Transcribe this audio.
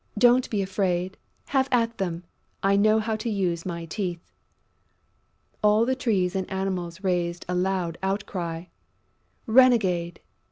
Don't be afraid! Have at them! I know how to use my teeth!" All the Trees and Animals raised a loud outcry: "Renegade!...